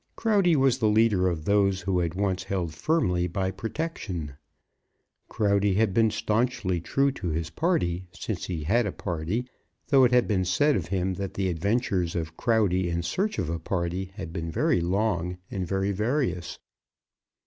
Crowdy was the leader of those who had once held firmly by Protection. Crowdy had been staunchly true to his party since he had a party, though it had been said of him that the adventures of Crowdy in search of a party had been very long and very various.